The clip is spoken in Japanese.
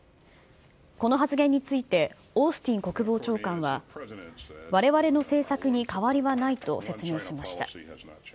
この発言について、オースティン国防長官は、われわれの政策に変わりはないと説明しました。